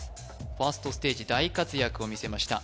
ファーストステージ大活躍を見せました